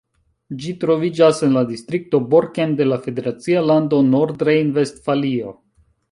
Ĝi troviĝas en la distrikto Borken de la federacia lando Nordrejn-Vestfalio.